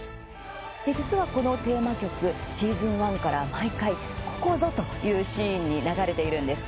実は、このテーマ曲シーズン１から毎回、ここぞというシーンに流れているんです。